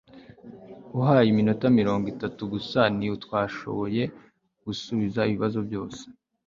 uhaye iminota mirongo itatu gusa, ntitwashoboye gusubiza ibibazo byose